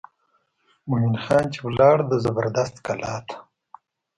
مومن خان چې ولاړ د زبردست کلا ته.